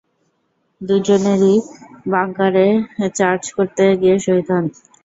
দুজনই বাংকারে চার্জ করতে গিয়ে শহীদ হন।’